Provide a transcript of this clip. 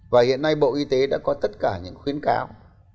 và hiện nay bộ y tế đã có tất cả những khuyến cáo